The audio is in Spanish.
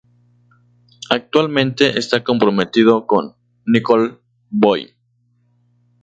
Actualmente está comprometido con Nicole Boyd.